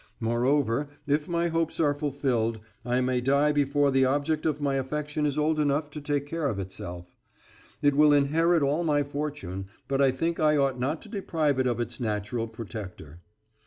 Moreover, if my hopes are fulfilled, I may die before the object of my affection is old enough to take care of itself. It will inherit all my fortune, but I think I ought not to deprive it of its natural protector.